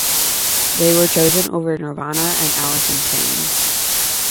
They were chosen over Nirvana and Alice in Chains.